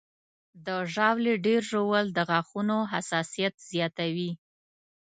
د ژاولې ډېر ژوول د غاښونو حساسیت زیاتوي.